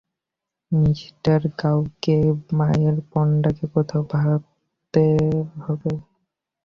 Mr গাওকে মায়ের পান্ডাকে কোথাও ভরতে হবে।